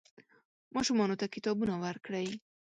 ماشومانو ته کتابونه ورکړئ.